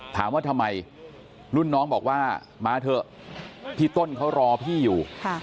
ถามว่าทำไมรุ่นน้องบอกว่ามาเถอะพี่ต้นเขารอพี่อยู่